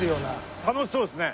楽しそうですね。